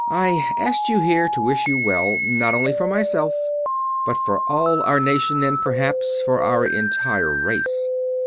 "I asked you here to wish you well; not only for myself, but for all our nation and perhaps for our entire race.